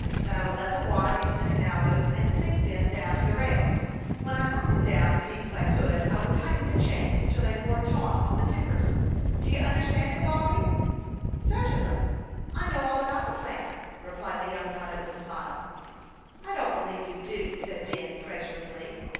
Then I would let the water into the canal boats, and sink them down to the rails. When I got them down as deep as I 130 HASTE AND WASTE, OR could, I would tighten the chains, till they bore taut on the timbers. Do you understand it, Lawry ?"" Certainly ; I know all about the plan," replied the young pilot, with a smile. " I don't believe you do," said Ben, incredulously.